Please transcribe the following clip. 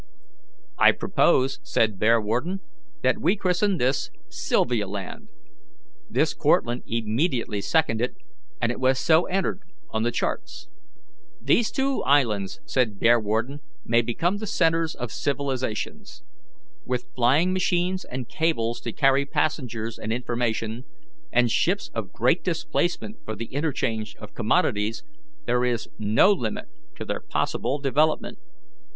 "I propose," said Bearwarden, "that we christen this Sylvialand." This Cortlandt immediately seconded, and it was so entered on the charts. "These two islands," said Bearwarden, "may become the centres of civilization. With flying machines and cables to carry passengers and information, and ships of great displacement for the interchange of commodities, there is no limit to their possible development.